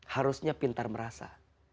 harusnya pintar merasa